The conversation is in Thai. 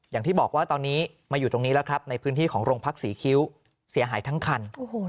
อย่างที่บอกว่าตอนนี้มาอยู่ตรงนี้แล้วครับในพื้นที่ของโรงพักษีคิ้วเสียหายทั้งคัน